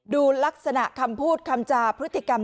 ดูลักษณะคำพูดคำจา